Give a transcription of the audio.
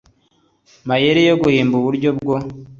mayeri yo guhimba uburyo bwo